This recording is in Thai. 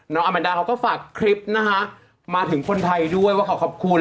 อาแมนดาเขาก็ฝากคลิปนะคะมาถึงคนไทยด้วยว่าเขาขอบคุณ